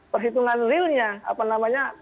perhitungan realnya apa namanya